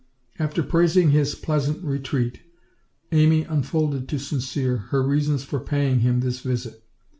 After praising his pleasant retreat, Amy unfolded to Sincere her reasons for paying him this visit.